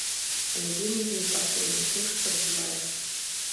Яны вельмі занепакоены тым, што адбываецца.